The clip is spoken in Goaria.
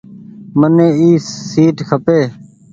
مني اي سيٽ کپي۔